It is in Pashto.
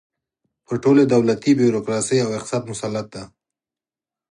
پر ټولې دولتي بیروکراسۍ او اقتصاد مسلط دی.